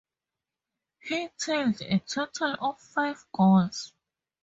He tallied a total of five goals.